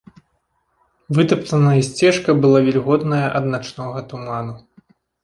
Вытаптаная сцежка была вільготная ад начнога туману.